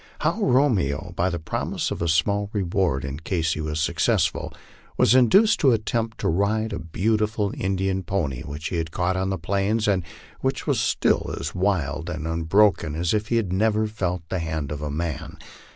How Romeo, by the promise of a small reward in case he was successful, was induced to attempt to ride a beautiful Indian pony, which we had caught on the plains, and which was still as wild and unbroken as if he had never felt the hand of man.